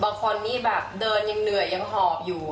บางคนนี่แบบเดินยังเหนื่อยยังหอบอยู่